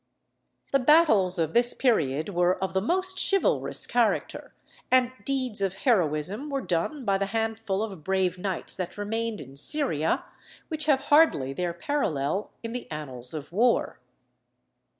The battles of this period were of the most chivalrous character, and deeds of heroism were done by the handful of brave knights that remained in Syria, which have hardly their parallel in the annals of war.